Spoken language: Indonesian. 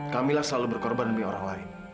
kamilah selalu berkorban demi orang lain